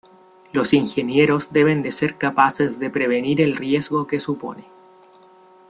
Los ingenieros deben de ser capaces de prevenir el riesgo que supone.